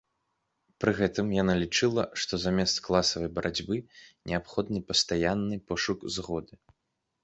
Пры гэтым яна лічыла, што замест класавай барацьбы неабходны пастаянны пошук згоды.